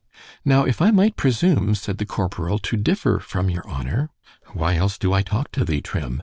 _ Now if I might presume, said the corporal, to differ from your honour—— —Why else do I talk to thee, _Trim?